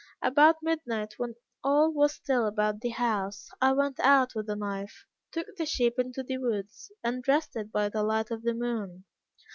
About midnight, when all was still about the house, I went out with a knife, took the sheep into the woods, and dressed it by the light of the moon.